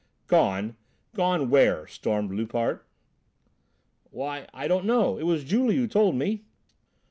"Gone? Gone where?" stormed Loupart. "Why, I don't know; it was Julie who told me."